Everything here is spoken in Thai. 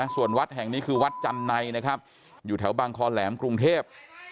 ส่วนวัดแห่งนี้คือวัดจันไนนะครับอยู่แถวบางคอแหลมกรุงเทพ